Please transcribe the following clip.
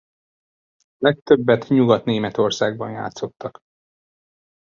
A legtöbbet Nyugat-Németországban játszottak.